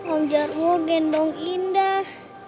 om jarwo gendong indah